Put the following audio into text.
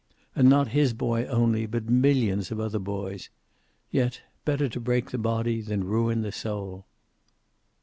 And not his boy only, but millions of other boys. Yet better to break the body than ruin the soul.